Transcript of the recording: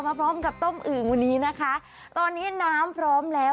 พร้อมกับต้มอึ่งวันนี้นะคะตอนนี้น้ำพร้อมแล้ว